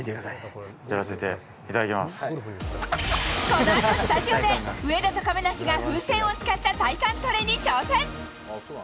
このあとスタジオで、上田と亀梨が風船を使った体幹トレに挑戦。